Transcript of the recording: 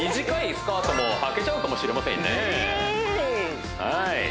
短いスカートもはけちゃうかもしれませんね